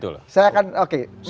ukurannya adalah konstitusi